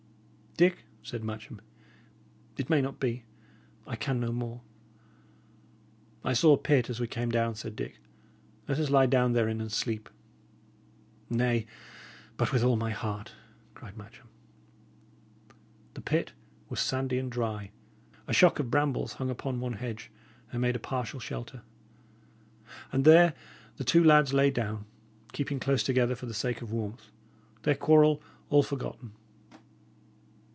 "Dick," said Matcham, "it may not be. I can no more." "I saw a pit as we came down," said Dick. "Let us lie down therein and sleep." "Nay, but with all my heart!" cried Matcham. The pit was sandy and dry; a shock of brambles hung upon one hedge, and made a partial shelter; and there the two lads lay down, keeping close together for the sake of warmth, their quarrel all forgotten.